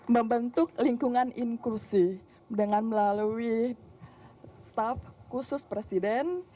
membentuk lingkungan inklusi dengan melalui staff khusus presiden